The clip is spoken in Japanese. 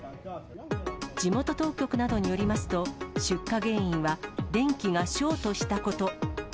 地元当局などによりますと、出火原因は電気がショートしたこと。